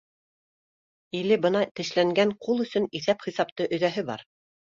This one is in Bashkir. Иле бына тешләнгән ҡул өсөн иҫап-хисапты өҙәһе бар